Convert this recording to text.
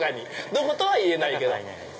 どことは言えないです。